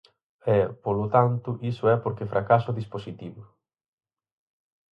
E, polo tanto, iso é porque fracasa o dispositivo.